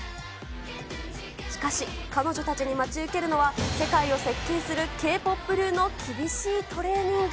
しかし、彼女たちに待ち受けるのは、世界を席けんするＫ−ＰＯＰ流の厳しいトレーニング。